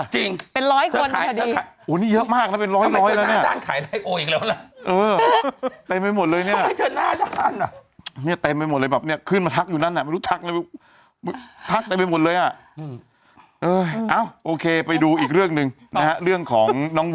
เจ้าขายของเวอร์อีกแล้ว